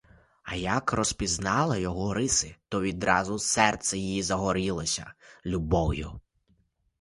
А як розпізнала його риси, то відразу серце її загорілося любов'ю.